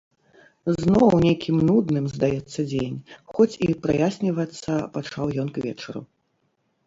Зноў нейкім нудным здаецца дзень, хоць і праяснівацца пачаў ён к вечару.